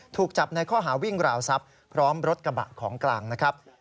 ถูกจับในข้อหาวิ่งราวทรัพย์พร้อมรถกระบะของกลางนะครับ